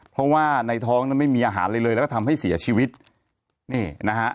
เพราะว่าในท้องนั้นไม่มีอาหารอะไรเลยแล้วก็ทำให้เสียชีวิตนี่นะฮะ